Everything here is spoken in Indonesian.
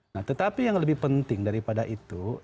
nah tetapi yang lebih penting daripada itu